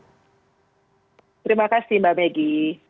terima kasih mbak begi